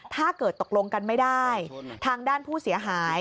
ถ้าเกิดตกลงกันไม่ได้ทางด้านผู้เสียหาย